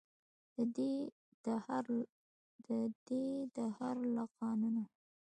ددې دهر له قانونه.